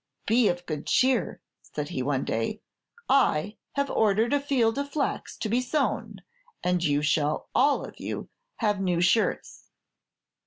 "Be of good cheer," said he, one day, "I have ordered a field of flax to be sown, and you shall all of you have new shirts."